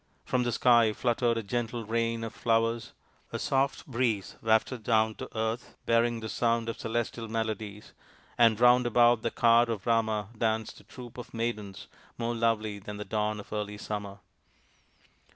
From the sky fluttered a gentle rain of flowers, a soft breeze wafted down to earth bearing the sound of celestial melodies, and round about the car of Rama danced a troop of maidens more lovely than the dawn of early summer.